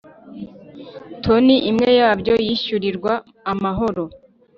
Toni imwe yabyo yishyurirwa amahoro